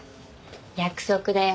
約束だよ。